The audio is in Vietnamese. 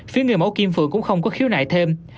phía người mẫu kim phượng cũng không có khiếu nại thêm